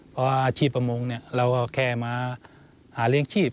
เพราะอาชีพประมงเราก็แค่มาหาเลี้ยงชีพ